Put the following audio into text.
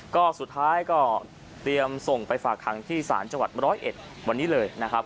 ก็สุดท้ายก็เตรียมส่งไปฝากคังที่ศาลจังหวัด๑๐๑วันนี้เลยนะครับ